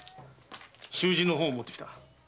習字の本を持ってきた。